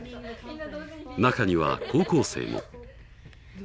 中には高校生も。